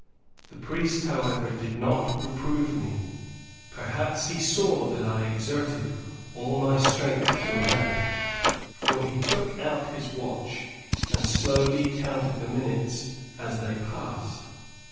The priest, however, did not reprove me. Perhaps he saw that I exerted all my strength to obey, for he took out his watch, and slowly counted the minutes as they passed.